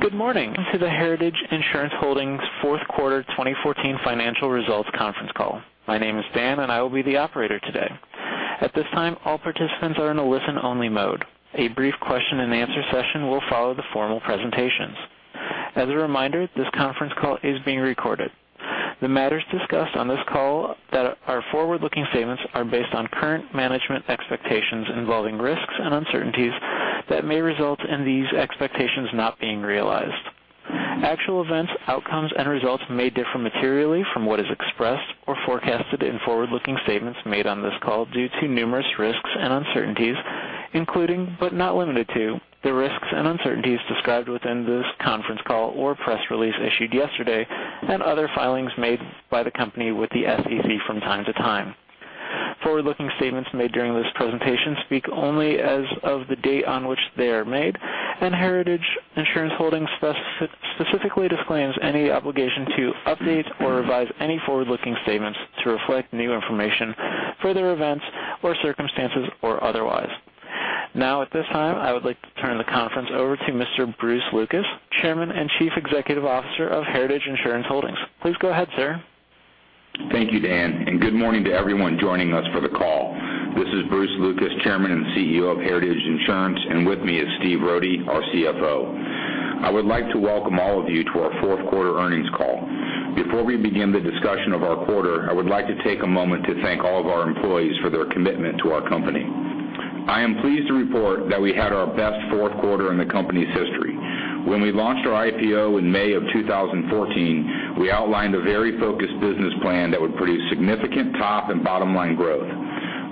Good morning. Welcome to the Heritage Insurance Holdings's fourth quarter 2014 financial results conference call. My name is Dan, and I will be the operator today. At this time, all participants are in a listen-only mode. A brief question and answer session will follow the formal presentations. As a reminder, this conference call is being recorded. The matters discussed on this call that are forward-looking statements are based on current management expectations involving risks and uncertainties that may result in these expectations not being realized. Actual events, outcomes, and results may differ materially from what is expressed or forecasted in forward-looking statements made on this call due to numerous risks and uncertainties, including, but not limited to, the risks and uncertainties described within this conference call or press release issued yesterday and other filings made by the company with the SEC from time to time. Forward-looking statements made during this presentation speak only as of the date on which they are made. Heritage Insurance Holdings specifically disclaims any obligation to update or revise any forward-looking statements to reflect new information, further events or circumstances or otherwise. At this time, I would like to turn the conference over to Mr. Bruce Lucas, Chairman and Chief Executive Officer of Heritage Insurance Holdings. Please go ahead, sir. Thank you, Dan, and good morning to everyone joining us for the call. This is Bruce Lucas, Chairman and CEO of Heritage Insurance, and with me is Stephen Rohde, our CFO. I would like to welcome all of you to our fourth quarter earnings call. Before we begin the discussion of our quarter, I would like to take a moment to thank all of our employees for their commitment to our company. I am pleased to report that we had our best fourth quarter in the company's history. When we launched our IPO in May of 2014, we outlined a very focused business plan that would produce significant top and bottom-line growth.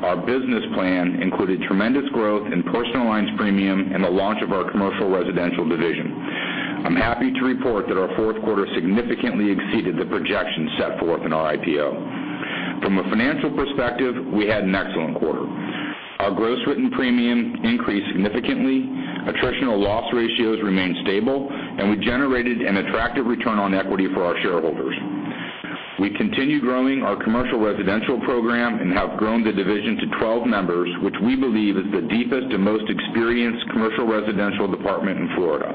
Our business plan included tremendous growth in personal lines premium and the launch of our commercial residential division. I'm happy to report that our fourth quarter significantly exceeded the projections set forth in our IPO. From a financial perspective, we had an excellent quarter. Our gross written premium increased significantly, attritional loss ratios remained stable. We generated an attractive return on equity for our shareholders. We continue growing our commercial residential program and have grown the division to 12 members, which we believe is the deepest and most experienced commercial residential department in Florida.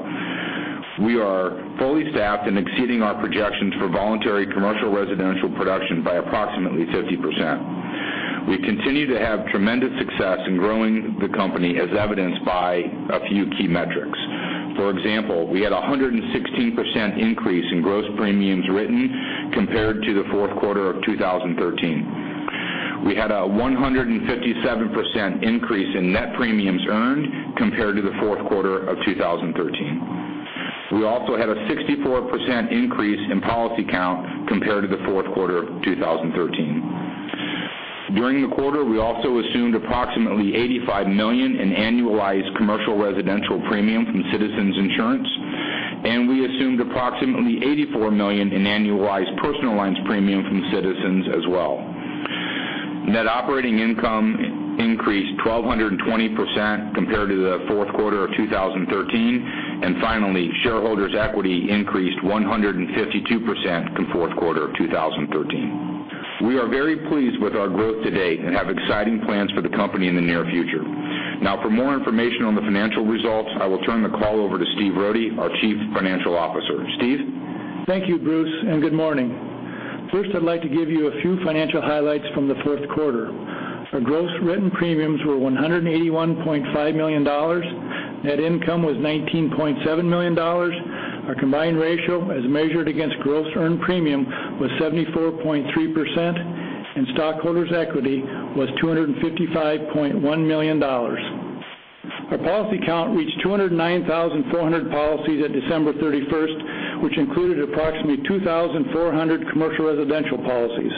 We are fully staffed and exceeding our projections for voluntary commercial residential production by approximately 50%. We continue to have tremendous success in growing the company, as evidenced by a few key metrics. For example, we had 116% increase in gross premiums written compared to the fourth quarter of 2013. We had a 157% increase in net premiums earned compared to the fourth quarter of 2013. We also had a 64% increase in policy count compared to the fourth quarter of 2013. During the quarter, we also assumed approximately $85 million in annualized commercial residential premium from Citizens Insurance. We assumed approximately $84 million in annualized personal lines premium from Citizens as well. Net operating income increased 1,220% compared to the fourth quarter of 2013. Finally, shareholders' equity increased 152% from fourth quarter of 2013. We are very pleased with our growth to date and have exciting plans for the company in the near future. For more information on the financial results, I will turn the call over to Steve Rohde, our Chief Financial Officer. Steve? Thank you, Bruce. Good morning. First, I'd like to give you a few financial highlights from the fourth quarter. Our gross written premiums were $181.5 million. Net income was $19.7 million. Our combined ratio, as measured against gross earned premium, was 74.3%. Stockholders' equity was $255.1 million. Our policy count reached 209,400 policies at December 31st, which included approximately 2,400 commercial residential policies.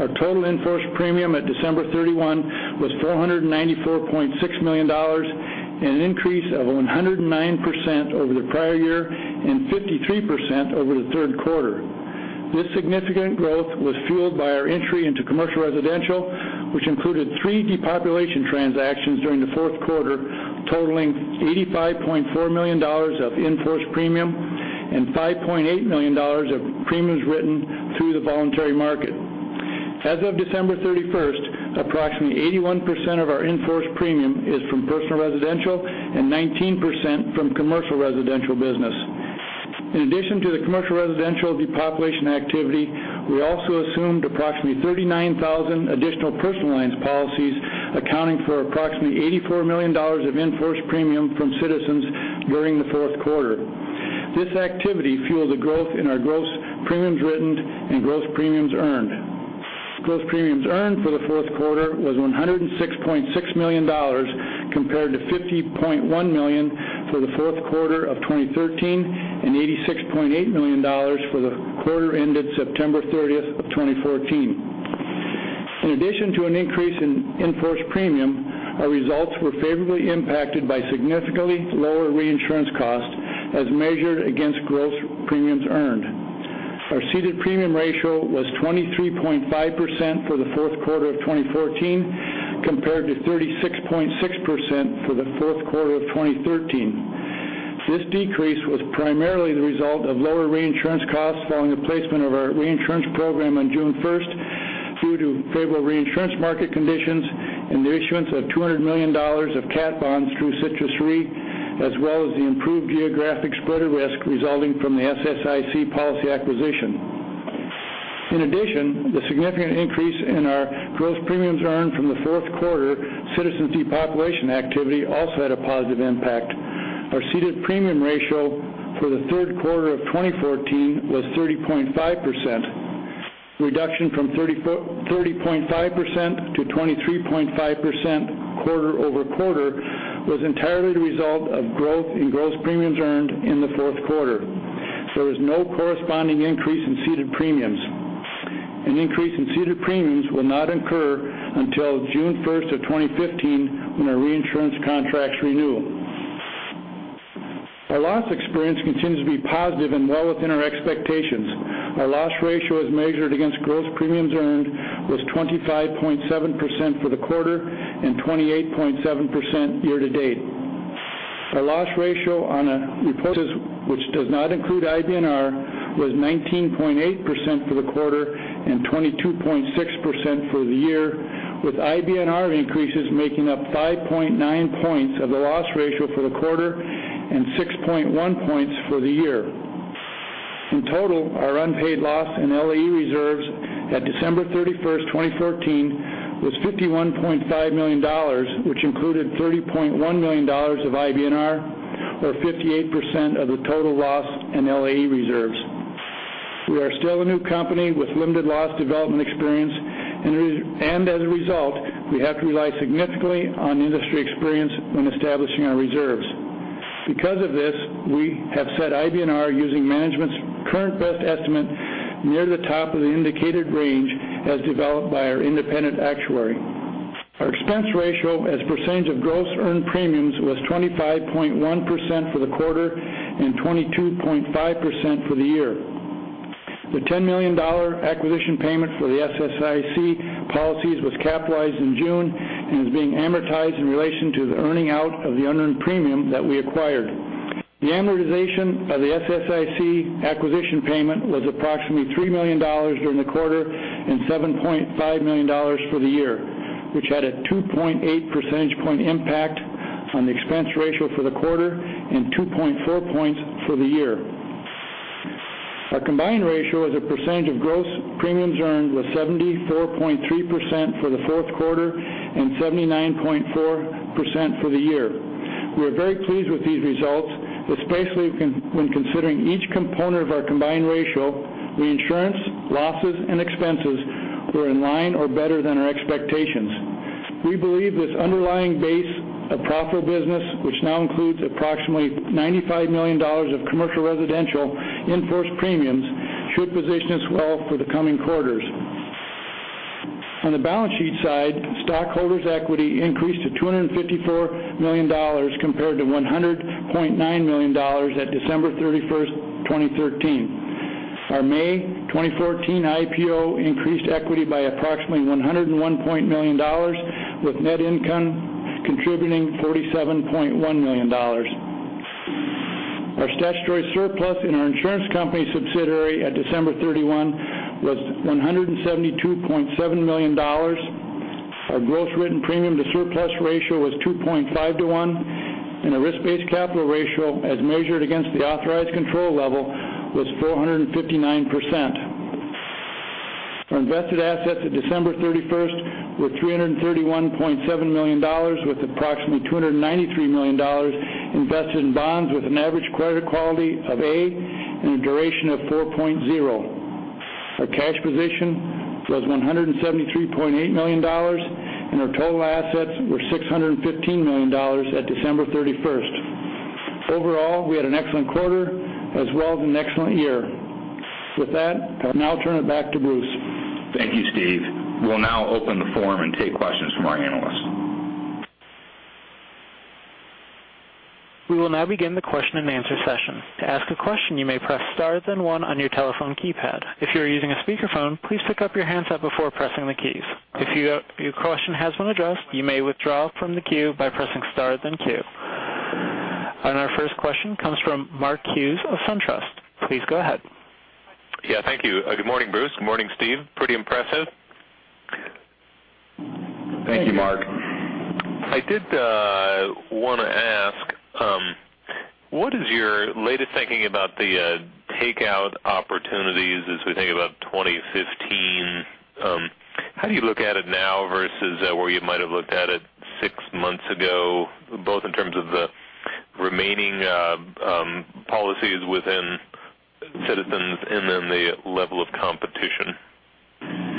Our total in-force premium at December 31 was $494.6 million, an increase of 109% over the prior year and 53% over the third quarter. This significant growth was fueled by our entry into commercial residential, which included three depopulation transactions during the fourth quarter, totaling $85.4 million of in-force premium and $5.8 million of premiums written through the voluntary market. As of December 31st, approximately 81% of our in-force premium is from personal residential and 19% from commercial residential business. In addition to the commercial residential depopulation activity, we also assumed approximately 39,000 additional personal lines policies, accounting for approximately $84 million of in-force premium from Citizens during the fourth quarter. This activity fueled the growth in our gross premiums written and gross premiums earned. Gross premiums earned for the fourth quarter was $106.6 million, compared to $50.1 million for the fourth quarter of 2013 and $86.8 million for the quarter ended September 30th of 2014. In addition to an increase in in-force premium, our results were favorably impacted by significantly lower reinsurance costs as measured against gross premiums earned. Our ceded premium ratio was 23.5% for the fourth quarter of 2014, compared to 36.6% for the fourth quarter of 2013. This decrease was primarily the result of lower reinsurance costs following the placement of our reinsurance program on June 1st, due to favorable reinsurance market conditions and the issuance of $200 million of cat bonds through Citrus Re, as well as the improved geographic split of risk resulting from the SSIC policy acquisition. In addition, the significant increase in our growth premiums earned from the fourth quarter Citizens depopulation activity also had a positive impact. Our ceded premium ratio for the third quarter of 2014 was 30.5%. Reduction from 30.5% to 23.5% quarter-over-quarter was entirely the result of growth in gross premiums earned in the fourth quarter. There was no corresponding increase in ceded premiums. An increase in ceded premiums will not incur until June 1st of 2015, when our reinsurance contracts renew. Our loss experience continues to be positive and well within our expectations. Our loss ratio, as measured against gross premiums earned, was 25.7% for the quarter and 28.7% year to date. Our loss ratio on a reported, which does not include IBNR, was 19.8% for the quarter and 22.6% for the year, with IBNR increases making up 5.9 percentage points of the loss ratio for the quarter and 6.1 points for the year. In total, our unpaid loss in LAE reserves at December 31st, 2014 was $51.5 million, which included $30.1 million of IBNR, or 58% of the total loss in LAE reserves. We are still a new company with limited loss development experience. As a result, we have to rely significantly on industry experience when establishing our reserves. Because of this, we have set IBNR using management's current best estimate near the top of the indicated range as developed by our independent actuary. Our expense ratio as a percentage of gross earned premiums was 25.1% for the quarter and 22.5% for the year. The $10 million acquisition payment for the SSIC policies was capitalized in June and is being amortized in relation to the earning out of the unearned premium that we acquired. The amortization of the SSIC acquisition payment was approximately $3 million during the quarter and $7.5 million for the year, which had a 2.8 percentage point impact on the expense ratio for the quarter and 2.4 points for the year. Our combined ratio as a percentage of gross premiums earned was 74.3% for the fourth quarter and 79.4% for the year. We are very pleased with these results, especially when considering each component of our combined ratio, reinsurance, losses, and expenses were in line or better than our expectations. We believe this underlying base of profitable business, which now includes approximately $95 million of commercial residential in-force premiums, should position us well for the coming quarters. On the balance sheet side, stockholders' equity increased to $254 million compared to $100.9 million at December 31st, 2013. Our May 2014 IPO increased equity by approximately $101 million, with net income contributing $37.1 million. Our statutory surplus in our insurance company subsidiary at December 31 was $172.7 million. Our gross written premium to surplus ratio was 2.5 to one, and a risk-based capital ratio as measured against the authorized control level was 459%. Our invested assets at December 31st were $331.7 million, with approximately $293 million invested in bonds with an average credit quality of A and a duration of 4.0. Our cash position was $173.8 million, and our total assets were $615 million at December 31st. Overall, we had an excellent quarter as well as an excellent year. With that, I'll now turn it back to Bruce. Thank you, Steve. We'll now open the forum and take questions from our analysts. We will now begin the question and answer session. To ask a question, you may press star then one on your telephone keypad. If you are using a speakerphone, please pick up your handset before pressing the keys. If your question has been addressed, you may withdraw from the queue by pressing star then two. Our first question comes from Mark Hughes of SunTrust. Please go ahead. Yeah, thank you. Good morning, Bruce. Good morning, Steve. Pretty impressive. Thank you, Mark. Thank you. I did want to ask, what is your latest thinking about the takeout opportunities as we think about 2015? How do you look at it now versus where you might have looked at it six months ago, both in terms of the remaining policies within Citizens and the level of competition?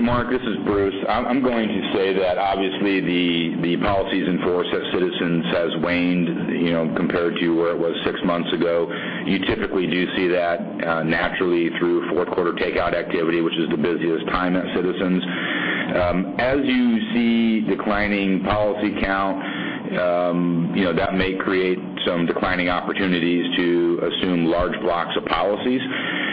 Mark, this is Bruce. I'm going to say that obviously the policies in force at Citizens has waned compared to where it was six months ago. You typically do see that naturally through fourth quarter takeout activity, which is the busiest time at Citizens. As you see declining policy count, that may create some declining opportunities to assume large blocks of policies.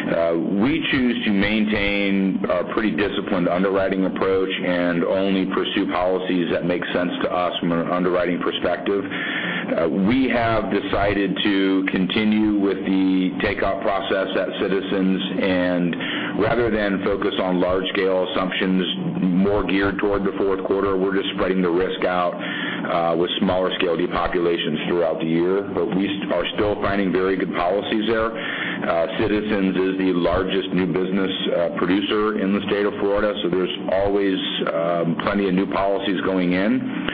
We choose to maintain a pretty disciplined underwriting approach and only pursue policies that make sense to us from an underwriting perspective. We have decided to continue with the takeout process at Citizens, and rather than focus on large-scale assumptions more geared toward the fourth quarter, we're just spreading the risk out with smaller scale depopulations throughout the year. We are still finding very good policies there. Citizens is the largest new business producer in the state of Florida, there's always plenty of new policies going in.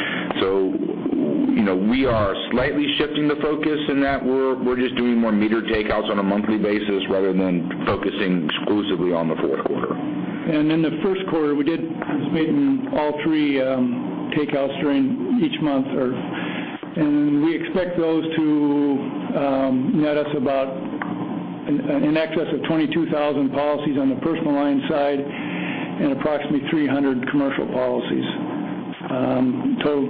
We are slightly shifting the focus in that we're just doing more metered takeouts on a monthly basis rather than focusing exclusively on the fourth quarter. In the first quarter, we did make all three takeouts during each month. We expect those to net us about in excess of 22,000 policies on the personal lines side and approximately 300 commercial policies. Total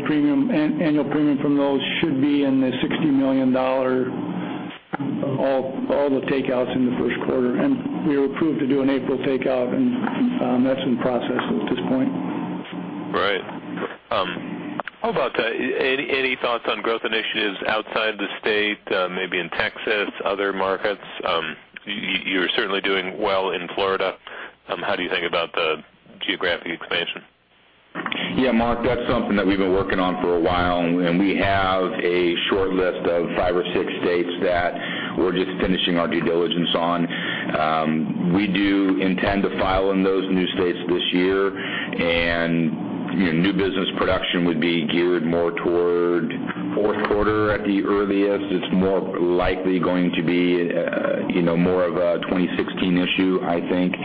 annual premium from those should be in the $60 million, all the takeouts in the first quarter. We were approved to do an April takeout, and that's in process at this point. Right. How about any thoughts on growth initiatives outside the state, maybe in Texas, other markets? You're certainly doing well in Florida. How do you think about the geographic expansion? Yeah, Mark, that's something that we've been working on for a while, and we have a short list of five or six states that we're just finishing our due diligence on. We do intend to file in those new states this year, and new business production would be geared more toward fourth quarter at the earliest. It's more likely going to be more of a 2016 issue, I think.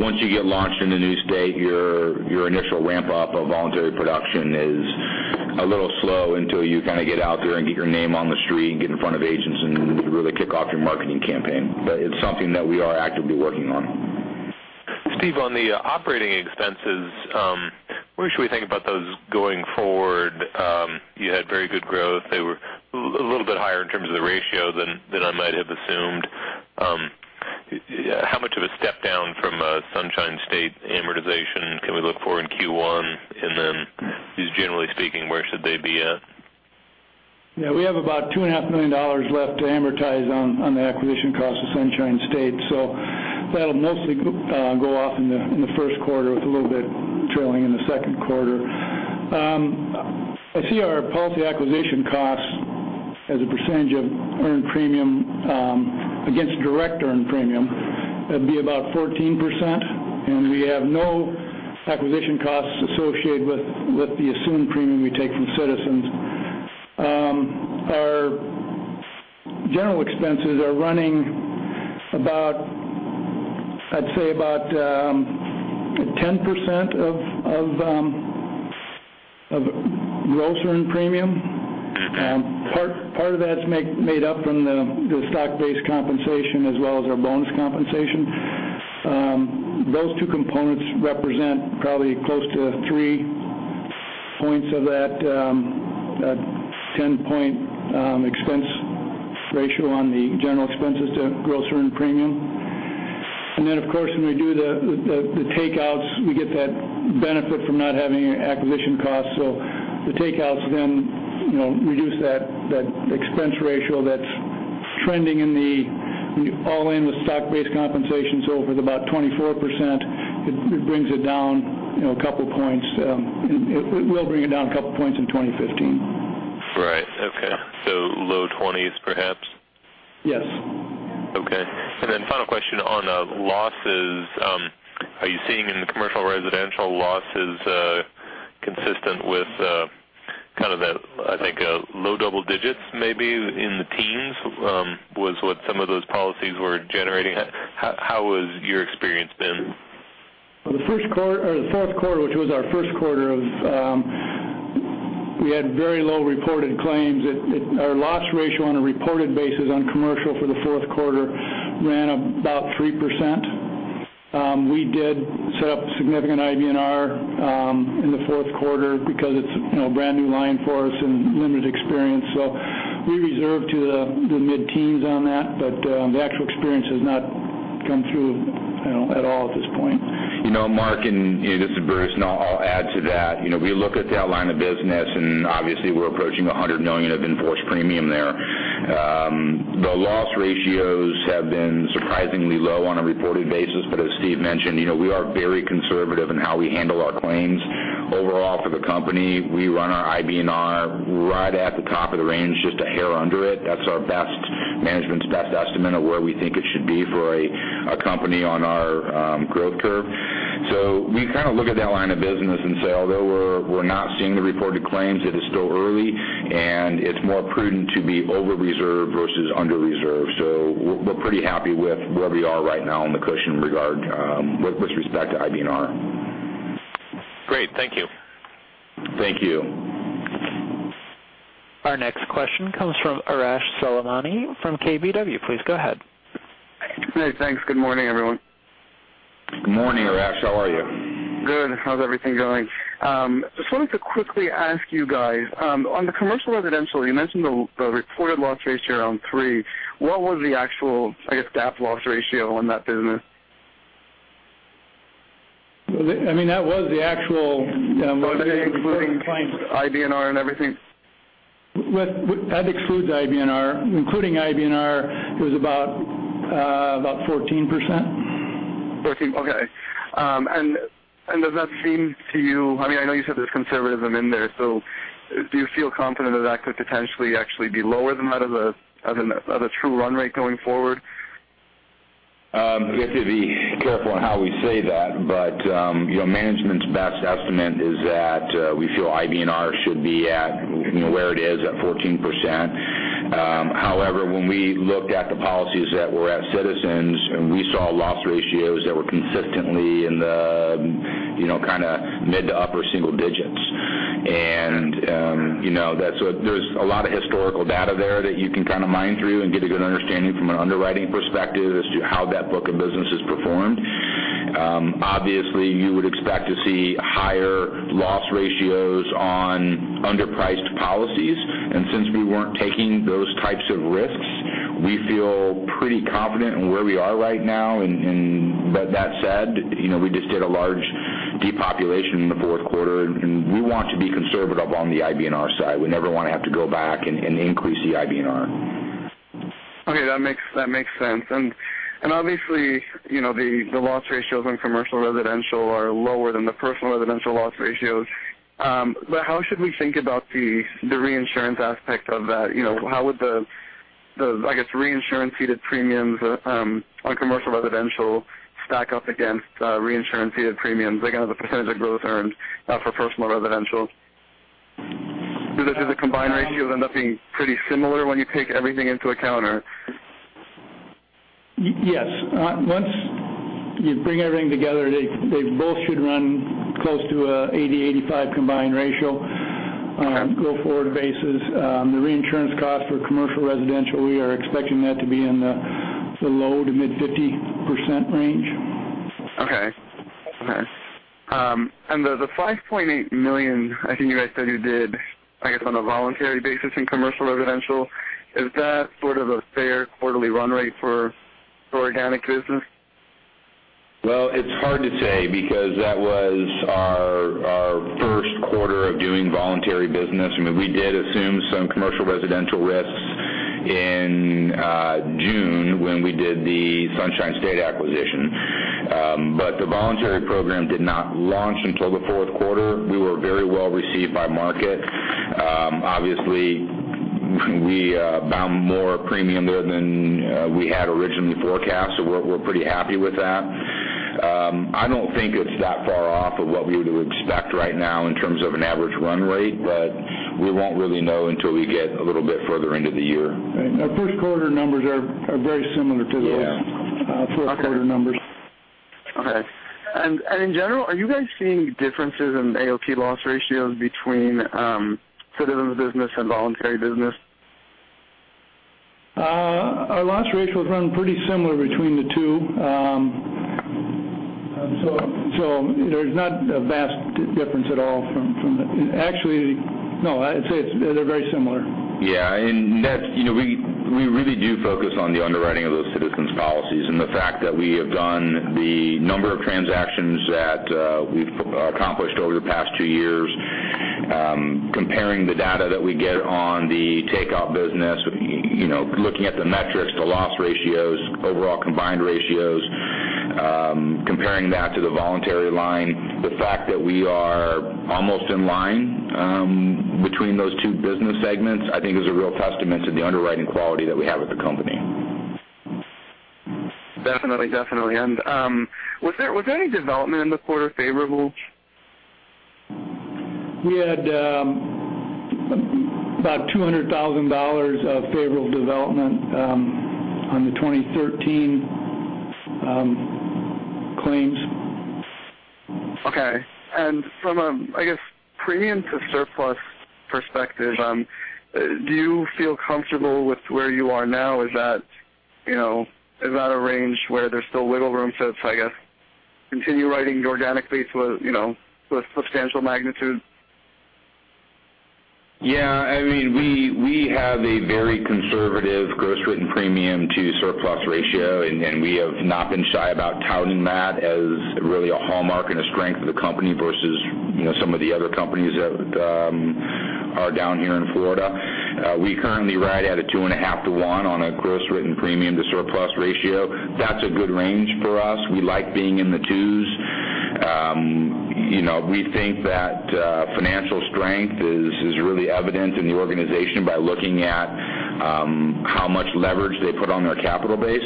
Once you get launched in a new state, your initial ramp-up of voluntary production is a little slow until you kind of get out there and get your name on the street, get in front of agents, and really kick off your marketing campaign. It's something that we are actively working on. Steve, on the operating expenses, where should we think about those going forward? You had very good growth. They were a little bit higher in terms of the ratio than I might have assumed. How much of a step down from Sunshine State amortization can we look for in Q1? Then, just generally speaking, where should they be at? We have about $2.5 million left to amortize on the acquisition cost of Sunshine State, so that'll mostly go off in the first quarter with a little bit trailing in the second quarter. I see our policy acquisition costs as a percentage of earned premium against direct earned premium. That'd be about 14%, and we have no acquisition costs associated with the assumed premium we take from Citizens. Our general expenses are running about, I'd say, about 10% of gross earned premium. Okay. Part of that's made up from the stock-based compensation as well as our bonus compensation. Those two components represent probably close to three points of that 10-point expense ratio on the general expenses to gross earned premium. Then, of course, when we do the takeouts, we get that benefit from not having acquisition costs. The takeouts then reduce that expense ratio that's trending all in with stock-based compensation. It was about 24%. It brings it down a couple points. It will bring it down a couple points in 2015. Right. Okay. Low 20s perhaps? Yes. Okay. Final question on losses. Are you seeing any commercial residential losses consistent with kind of that, I think, low double digits maybe in the teens, was what some of those policies were generating? How has your experience been? Well, the fourth quarter, which was our first quarter, we had very low reported claims. Our loss ratio on a reported basis on commercial for the fourth quarter ran about 3%. We did set up significant IBNR in the fourth quarter because it's a brand new line for us and limited experience, so we reserve to the mid-teens on that, but the actual experience has not come through at all at this point. Mark, and this is Bruce, and I'll add to that. We look at that line of business, and obviously we're approaching $100 million of in-force premium there. The loss ratios have been surprisingly low on a reported basis. As Steve mentioned, we are very conservative in how we handle our claims. Overall for the company, we run our IBNR right at the top of the range, just a hair under it. That's our management's best estimate of where we think it should be for a company on our growth curve. We kind of look at that line of business and say, although we're not seeing the reported claims, it is still early, and it's more prudent to be over-reserved versus under-reserved. We're pretty happy with where we are right now on the cushion with respect to IBNR. Great. Thank you. Thank you. Our next question comes from Arash Soleimani from KBW. Please go ahead. Hey, thanks. Good morning, everyone. Good morning, Arash. How are you? Good. How's everything going? Just wanted to quickly ask you guys, on the commercial residential, you mentioned the reported loss ratio around three. What was the actual, I guess, GAAP loss ratio on that business? That was the Was that including IBNR and everything? That excludes IBNR. Including IBNR, it was about 14%. 14, okay. I know you said there's conservatism in there, do you feel confident that could potentially actually be lower than that of a true run rate going forward? We have to be careful in how we say that. Management's best estimate is that we feel IBNR should be at where it is, at 14%. However, when we looked at the policies that were at Citizens, we saw loss ratios that were consistently in the mid to upper single digits. There's a lot of historical data there that you can mine through and get a good understanding from an underwriting perspective as to how that book of business has performed. Obviously, you would expect to see higher loss ratios on underpriced policies. Since we weren't taking those types of risks, we feel pretty confident in where we are right now. That said, we just did a large depopulation in the fourth quarter, and we want to be conservative on the IBNR side. We never want to have to go back and increase the IBNR. Okay. That makes sense. Obviously, the loss ratios on commercial residential are lower than the personal residential loss ratios. How should we think about the reinsurance aspect of that? How would the, I guess, reinsurance ceded premiums on commercial residential stack up against reinsurance ceded premiums against the percentage of gross earned for personal residential? Do the combined ratios end up being pretty similar when you take everything into account? Yes. Once you bring everything together, they both should run close to an 80-85 combined ratio. Okay On a go forward basis. The reinsurance cost for commercial residential, we are expecting that to be in the low to mid 50% range. Okay. The $5.8 million, I think you guys said you did, I guess, on a voluntary basis in commercial residential, is that sort of a fair quarterly run rate for organic business? Well, it's hard to say because that was our first quarter of doing voluntary business. We did assume some commercial residential risks in June when we did the Sunshine State acquisition. The voluntary program did not launch until the fourth quarter. We were very well-received by market. Obviously, we bound more premium there than we had originally forecast, so we're pretty happy with that. I don't think it's that far off of what we would expect right now in terms of an average run rate, but we won't really know until we get a little bit further into the year. Our first quarter numbers are very similar to those. Yeah first quarter numbers. Okay. In general, are you guys seeing differences in AOP loss ratios between Citizens business and voluntary business? Our loss ratios run pretty similar between the two. There's not a vast difference at all. Actually, no, I'd say they're very similar. Yeah. We really do focus on the underwriting of those Citizens policies, and the fact that we have done the number of transactions that we've accomplished over the past two years, comparing the data that we get on the takeout business, looking at the metrics, the loss ratios, overall combined ratios, comparing that to the voluntary line. The fact that we are almost in line between those two business segments, I think, is a real testament to the underwriting quality that we have as a company. Definitely. Was there any development in the quarter favorable? We had about $200,000 of favorable development on the 2013 claims. Okay. From a premium to surplus perspective, do you feel comfortable with where you are now? Is that a range where there's still wiggle room to continue writing organically to a substantial magnitude? Yeah. We have a very conservative gross written premium to surplus ratio, we have not been shy about touting that as really a hallmark and a strength of the company versus some of the other companies that are down here in Florida. We currently ride at a 2.5 to 1 on a gross written premium to surplus ratio. That's a good range for us. We like being in the 2s. We think that financial strength is really evident in the organization by looking at how much leverage they put on their capital base.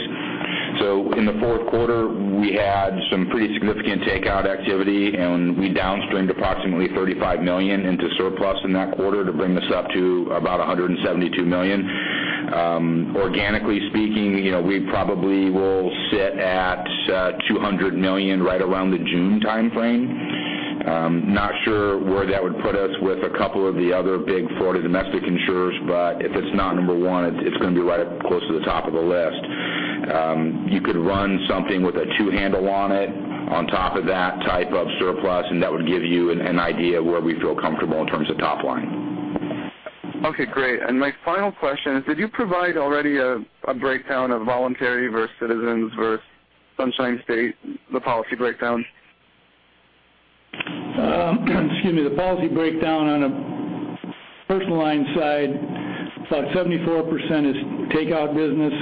In the fourth quarter, we had some pretty significant takeouts activity, we downstreamed approximately $35 million into surplus in that quarter to bring us up to about $172 million. Organically speaking, we probably will sit at $200 million right around the June timeframe. Not sure where that would put us with a couple of the other big Florida domestic insurers, if it's not number one, it's going to be right up close to the top of the list. You could run something with a 2 handle on it on top of that type of surplus, that would give you an idea of where we feel comfortable in terms of top line. Okay, great. My final question is, did you provide already a breakdown of voluntary versus Citizens versus Sunshine State, the policy breakdown? Excuse me, the policy breakdown on a personal lines side, about 74% is takeout business,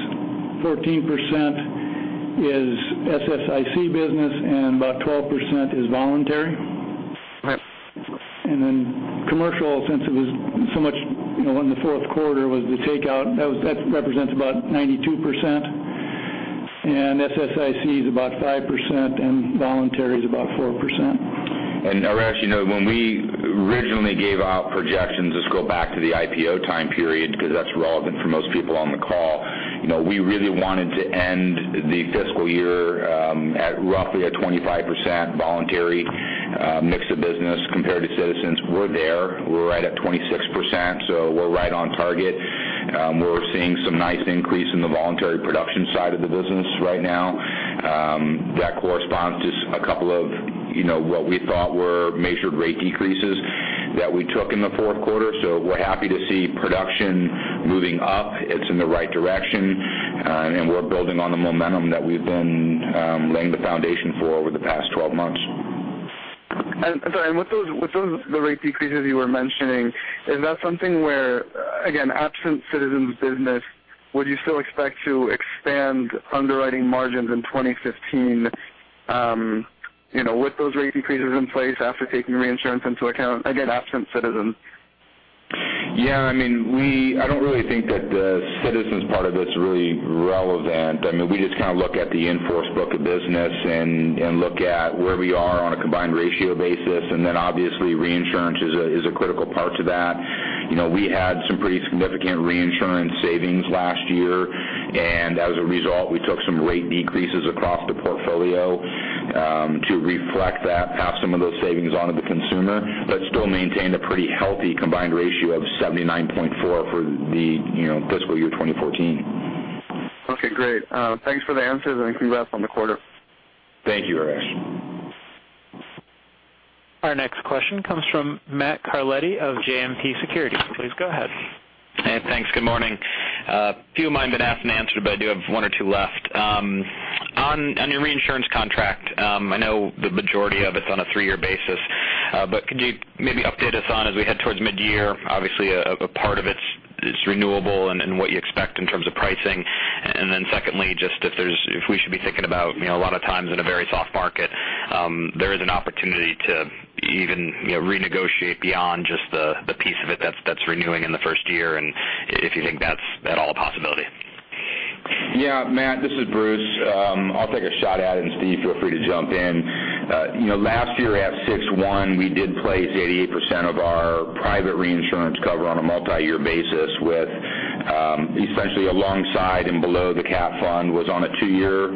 14% is SSIC business, and about 12% is voluntary. Right. Commercial, since it was so much when the fourth quarter was the takeout, that represents about 92%, SSIC is about 5%, and voluntary is about 4%. Arash, when we originally gave out projections, let's go back to the IPO time period, because that's relevant for most people on the call. We really wanted to end the fiscal year at roughly a 25% voluntary mix of business compared to Citizens. We're there. We're right at 26%, so we're right on target. We're seeing some nice increase in the voluntary production side of the business right now. That corresponds to a couple of what we thought were measured rate decreases that we took in the fourth quarter. We're happy to see production moving up. It's in the right direction, and we're building on the momentum that we've been laying the foundation for over the past 12 months. Sorry, with those rate decreases you were mentioning, is that something where, again, absent Citizens business, would you still expect to expand underwriting margins in 2015 with those rate increases in place after taking reinsurance into account, again, absent Citizens? I don't really think that the Citizens part of it's really relevant. We just look at the in-force book of business and look at where we are on a combined ratio basis, obviously reinsurance is a critical part to that. We had some pretty significant reinsurance savings last year, as a result, we took some rate decreases across the portfolio to reflect that, pass some of those savings onto the consumer, but still maintained a pretty healthy combined ratio of 79.4 for the fiscal year 2014. Great. Thanks for the answers, congrats on the quarter. Thank you, Arash. Our next question comes from Matthew Carletti of JMP Securities. Please go ahead. Hey, thanks. Good morning. A few of mine have been asked and answered, but I do have one or two left. On your reinsurance contract, I know the majority of it's on a three-year basis, but could you maybe update us on as we head towards mid-year, obviously, a part of it's renewable and what you expect in terms of pricing? Then secondly, just if we should be thinking about a lot of times in a very soft market, there is an opportunity to even renegotiate beyond just the piece of it that's renewing in the first year, and if you think that's at all a possibility. Yeah, Matt, this is Bruce. I'll take a shot at it, Steve, feel free to jump in. Last year at 6/1, we did place 88% of our private reinsurance cover on a multi-year basis with essentially alongside and below the cat bond was on a two-year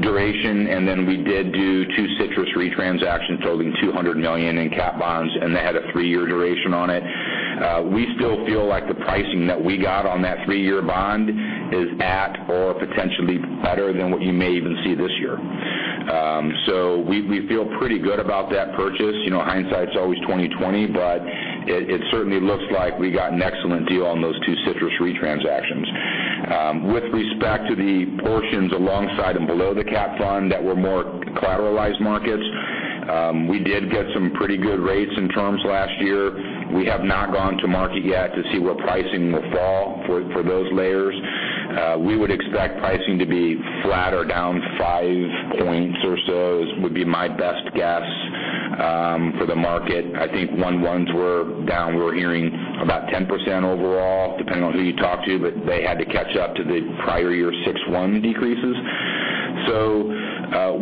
duration, then we did do two Citrus Re transactions totaling $200 million in cat bonds, and they had a three-year duration on it. We still feel like the pricing that we got on that three-year bond is at or potentially better than what you may even see this year. We feel pretty good about that purchase. Hindsight's always 2020, but it certainly looks like we got an excellent deal on those two Citrus Re transactions. With respect to the portions alongside and below the cat bond that were more collateralized markets, we did get some pretty good rates and terms last year. We have not gone to market yet to see where pricing will fall for those layers. We would expect pricing to be flat or down five points or so is, would be my best guess for the market. I think 1/1s were down. We were hearing about 10% overall, depending on who you talk to, but they had to catch up to the prior year 6/1 decreases.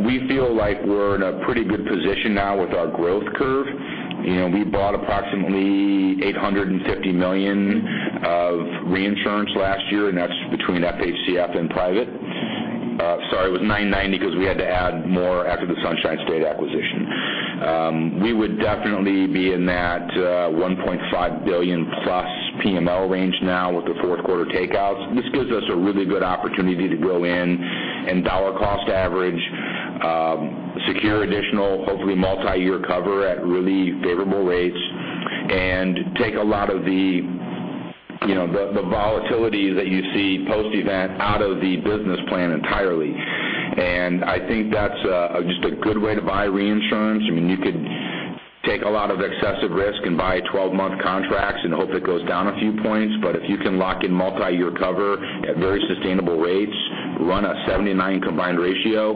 We feel like we're in a pretty good position now with our growth curve. We bought approximately $850 million of reinsurance last year, that's between FHCF and private. Sorry, it was $990 because we had to add more after the Sunshine State acquisition. We would definitely be in that $1.5 billion-plus PML range now with the fourth quarter takeouts. This gives us a really good opportunity to grow in, and dollar cost average, secure additional, hopefully multi-year cover at really favorable rates, and take a lot of the volatility that you see post-event out of the business plan entirely. I think that's just a good way to buy reinsurance. You could take a lot of excessive risk and buy 12-month contracts and hope it goes down a few points, but if you can lock in multi-year cover at very sustainable rates, run a 79 combined ratio,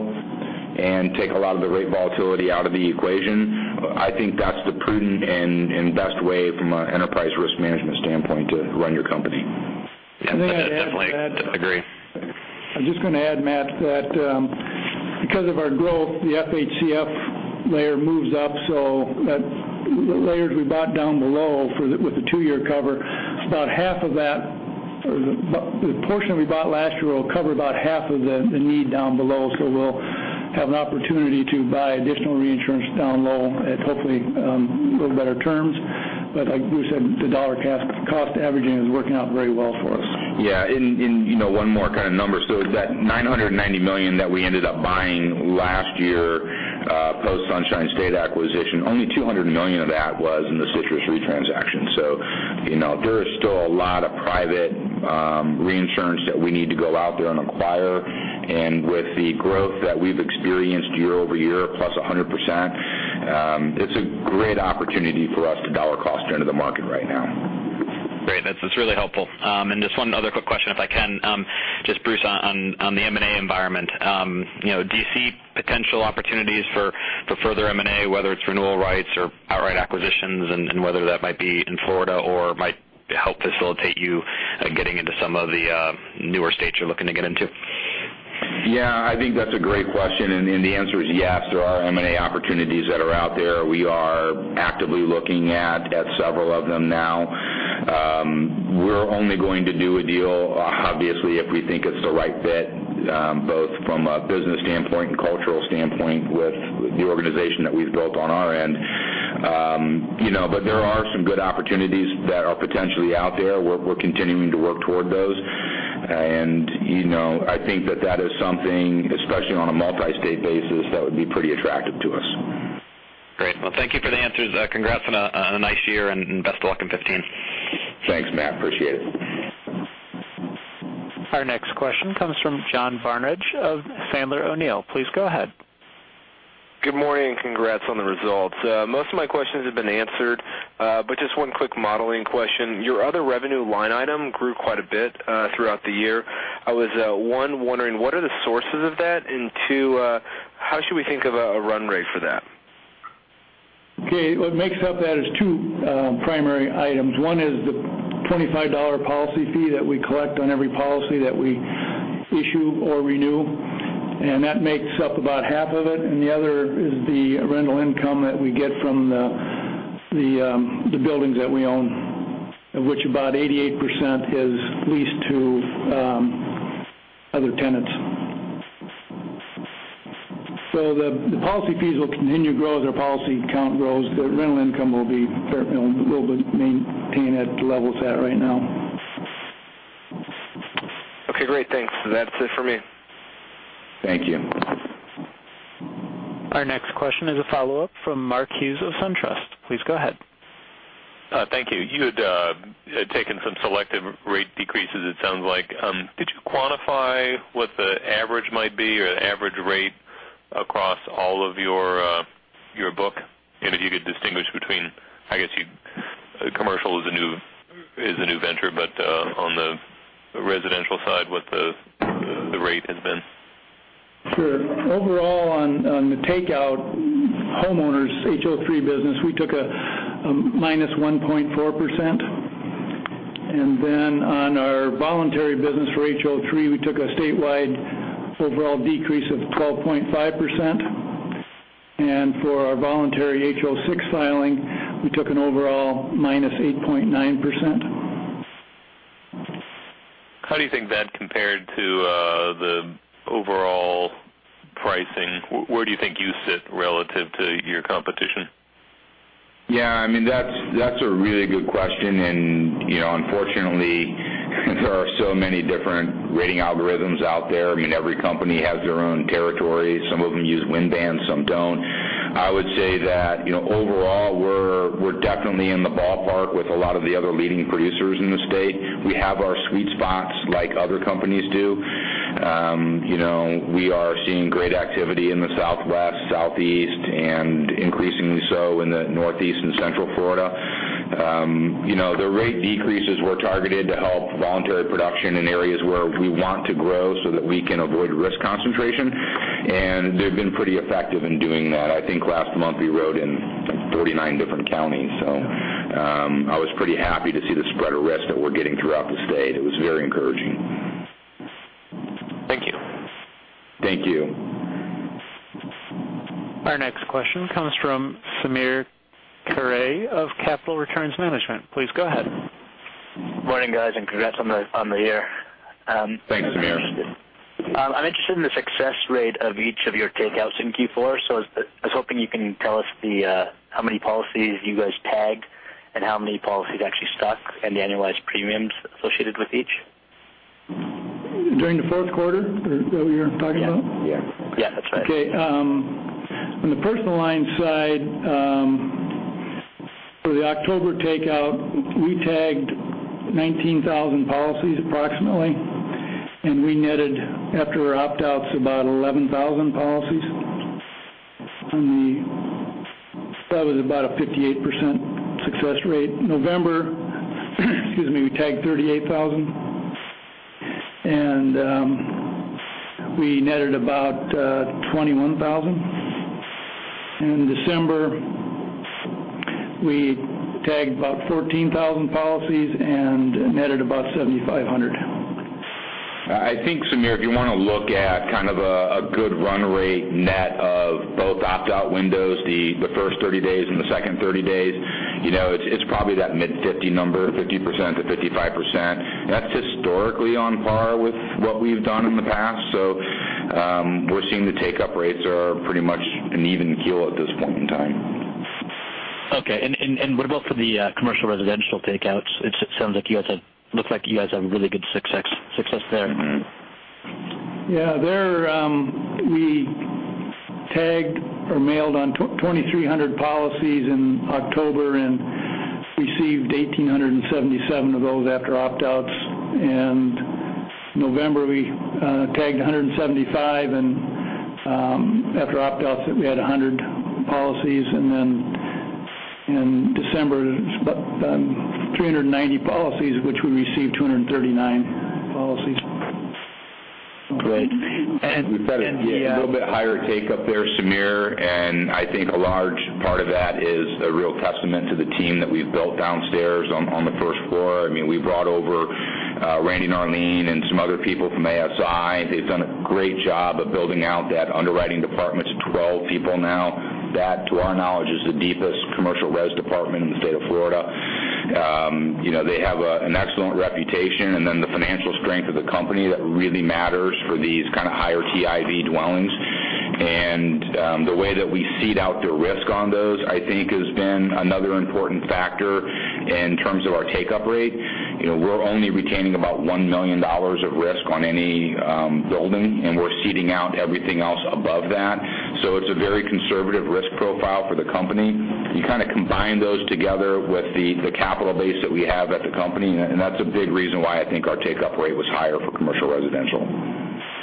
take a lot of the rate volatility out of the equation, I think that's the prudent and best way from an enterprise risk management standpoint to run your company. Yeah, I definitely agree. I'm just going to add, Matt, that because of our growth, the FHCF layer moves up, so the layers we bought down below with the two-year cover, the portion we bought last year will cover about half of the need down below, so we'll have an opportunity to buy additional reinsurance down low at hopefully a little better terms. Like Bruce said, the dollar cost averaging is working out very well for us. Yeah. One more kind of number. That $990 million that we ended up buying last year, post Sunshine State acquisition, only $200 million of that was in the Citrus Re-transaction. There is still a lot of private reinsurance that we need to go out there and acquire. With the growth that we've experienced year-over-year, plus 100%, it's a great opportunity for us to dollar cost into the market right now. Great. That's really helpful. Just one other quick question, if I can. Bruce, on the M&A environment. Do you see potential opportunities for further M&A, whether it's renewal rights or outright acquisitions, and whether that might be in Florida or might help facilitate you getting into some of the newer states you're looking to get into? Yeah, I think that's a great question, the answer is yes, there are M&A opportunities that are out there. We are actively looking at several of them now. We're only going to do a deal, obviously, if we think it's the right fit, both from a business standpoint and cultural standpoint with the organization that we've built on our end. There are some good opportunities that are potentially out there. We're continuing to work toward those. I think that that is something, especially on a multi-state basis, that would be pretty attractive to us. Great. Well, thank you for the answers. Congrats on a nice year, and best of luck in 2015. Thanks, Matt, appreciate it. Our next question comes from John Barnidge of Sandler O'Neill. Please go ahead. Good morning, congrats on the results. Most of my questions have been answered, just one quick modeling question. Your other revenue line item grew quite a bit throughout the year. I was, one, wondering what are the sources of that, and two, how should we think of a run rate for that? Okay. What makes up that is two primary items. One is the $25 policy fee that we collect on every policy that we issue or renew, and that makes up about half of it. The other is the rental income that we get from the buildings that we own, of which about 88% is leased to other tenants. The policy fees will continue to grow as our policy count grows. The rental income will be maintained at the level it's at right now. Okay, great. Thanks. That's it for me. Thank you. Our next question is a follow-up from Mark Hughes of SunTrust. Please go ahead. Thank you. You had taken some selective rate decreases, it sounds like. Did you quantify what the average might be or the average rate across all of your book? If you could distinguish between, I guess, commercial is a new venture, but on the residential side, what the rate has been. Sure. Overall, on the takeout homeowners HO3 business, we took a minus 1.4%. On our voluntary business for HO3, we took a statewide overall decrease of 12.5%. For our voluntary HO6 filing, we took an overall minus 8.9%. How do you think that compared to the overall pricing? Where do you think you sit relative to your competition? Yeah, that's a really good question, and unfortunately, there are so many different rating algorithms out there. Every company has their own territory. Some of them use wind bands, some don't. I would say that overall, we're definitely in the ballpark with a lot of the other leading producers in the state. We have our sweet spots like other companies do. We are seeing great activity in the Southwest, Southeast, and increasingly so in the Northeast and Central Florida. The rate decreases were targeted to help voluntary production in areas where we want to grow so that we can avoid risk concentration, and they've been pretty effective in doing that. I think last month we wrote in 49 different counties. I was pretty happy to see the spread of risk that we're getting throughout the state. It was very encouraging. Thank you. Thank you. Our next question comes from Samir Khurana of Capital Returns Management. Please go ahead. Morning, guys, and congrats on the year. Thanks, Samir. I'm interested in the success rate of each of your takeouts in Q4, so I was hoping you can tell us how many policies you guys tagged and how many policies actually stuck, and the annualized premiums associated with each. During the fourth quarter, is that what you're talking about? Yeah. That's right. Okay. On the personal lines side, for the October takeout, we tagged 19,000 policies approximately, and we netted, after our opt-outs, about 11,000 policies. That was about a 58% success rate. November, we tagged 38,000, and we netted about 21,000. In December, we tagged about 14,000 policies and netted about 7,500. I think, Samir, if you want to look at kind of a good run rate net of both opt-out windows, the first 30 days and the second 30 days. It's probably that mid-50 number, 50%-55%. That's historically on par with what we've done in the past. We're seeing the take-up rates are pretty much an even keel at this point in time. Okay. What about for the commercial residential takeouts? It looks like you guys have really good success there. Yeah. There, we tagged or mailed on 2,300 policies in October and received 1,877 of those after opt-outs. November, we tagged 175 and after opt-outs, we had 100 policies. In December, 390 policies, which we received 239 policies. Great. We've had a little bit higher take up there, Samir, and I think a large part of that is a real testament to the team that we've built downstairs on the first floor. We brought over Randy Jones and some other people from ASI. They've done a great job of building out that underwriting department to 12 people now. That, to our knowledge, is the deepest commercial res department in the state of Florida. They have an excellent reputation, then the financial strength of the company that really matters for these kind of higher TIV dwellings. The way that we seed out the risk on those, I think, has been another important factor in terms of our take-up rate. We're only retaining about $1 million at risk on any building, and we're seeding out everything else above that. It's a very conservative risk profile for the company. You kind of combine those together with the capital base that we have at the company, and that's a big reason why I think our take-up rate was higher for commercial residential.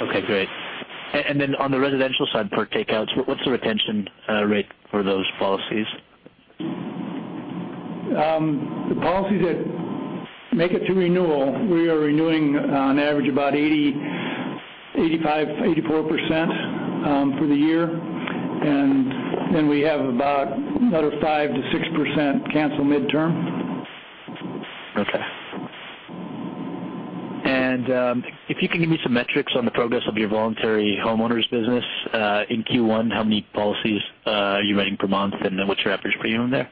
Okay, great. On the residential side for takeouts, what's the retention rate for those policies? The policies that make it to renewal, we are renewing on average about 85%, 84% for the year. We have about another 5%-6% cancel midterm. Okay. If you can give me some metrics on the progress of your voluntary homeowners business in Q1, how many policies are you writing per month, what's your average premium there?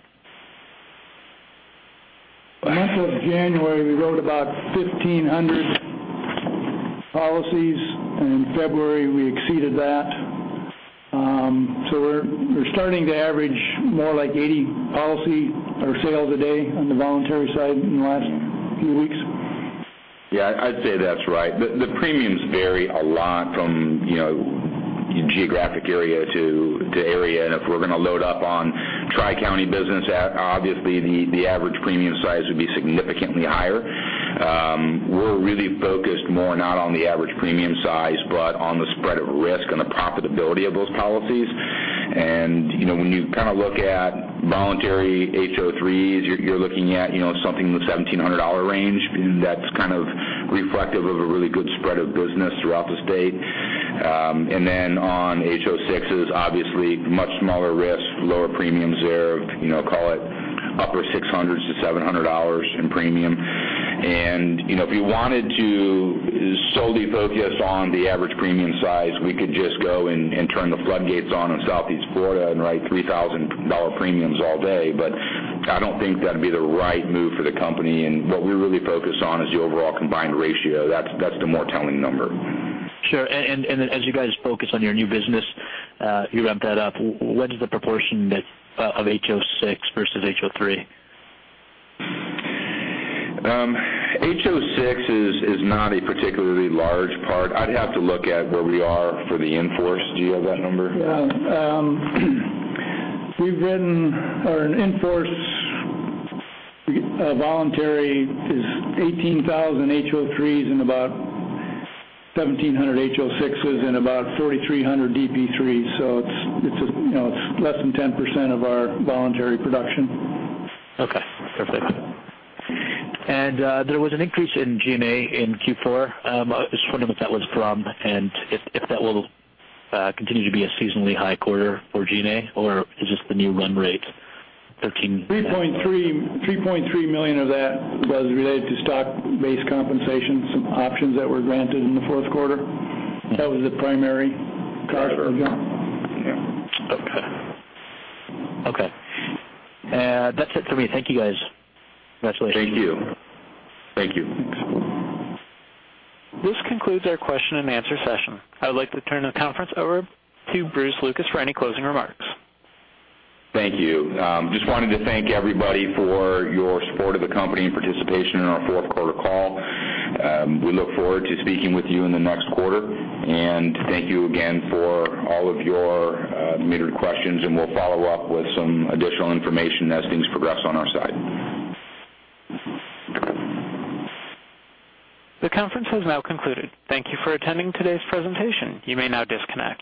As of January, we wrote about 1,500 policies, and in February, we exceeded that. We're starting to average more like 80 policy or sales a day on the voluntary side in the last few weeks. Yeah, I'd say that's right. The premiums vary a lot from geographic area to area, if we're going to load up on tri-county business, obviously the average premium size would be significantly higher. We're really focused more not on the average premium size, but on the spread of risk and the profitability of those policies. When you look at voluntary HO3s, you're looking at something in the $1,700 range. That's kind of reflective of a really good spread of business throughout the state. On HO6s, obviously much smaller risk, lower premiums there, call it upper $600-$700 in premium. If you wanted to solely focus on the average premium size, we could just go and turn the floodgates on in Southeast Florida and write $3,000 premiums all day. I don't think that'd be the right move for the company, and what we really focus on is the overall combined ratio. That's the more telling number. Sure. As you guys focus on your new business, you ramp that up, what is the proportion of HO6 versus HO3? HO6 is not a particularly large part. I'd have to look at where we are for the in-force. Do you have that number? Yeah. We've written our in-force voluntary is 18,000 HO3s and about 1,700 HO6s and about 3,300 DP3. It's less than 10% of our voluntary production. Okay, perfect. There was an increase in G&A in Q4. I was just wondering what that was from and if that will continue to be a seasonally high quarter for G&A, or is this the new run rate, 13- $3.3 million of that was related to stock-based compensation, some options that were granted in the fourth quarter. That was the primary cause of the jump. Yeah. Okay. That's it for me. Thank you, guys. Congratulations. Thank you. Thank you. This concludes our question and answer session. I'd like to turn the conference over to Bruce Lucas for any closing remarks. Thank you. Just wanted to thank everybody for your support of the company and participation in our fourth quarter call. We look forward to speaking with you in the next quarter. Thank you again for all of your submitted questions, and we'll follow up with some additional information as things progress on our side. The conference has now concluded. Thank you for attending today's presentation. You may now disconnect.